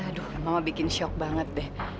aduh mama bikin shock banget deh